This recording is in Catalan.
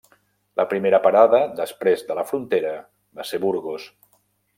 La primera parada després de la frontera va ser Burgos.